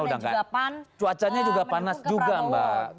ada dinamika karena gorengan dan jawaban menuju ke prabowo